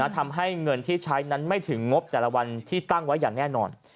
ทำให้เงินที่ใช้นั้นไม่ถึงงบแต่ละวันที่ตั้งไว้อย่างแน่นอน